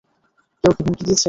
কেউ কী হুমকি দিয়েছে?